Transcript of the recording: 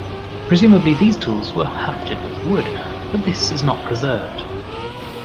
Presumably these tools were hafted with wood, but this is not preserved.